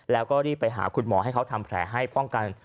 แล้วก็รีบไปหาคุณหมอให้เขาทำแผลให้ป้องกัน